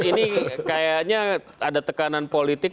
ini kayaknya ada tekanan politik